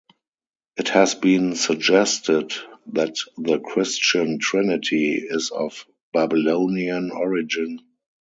It has been suggested that the Christian Trinity is of Babylonian origin.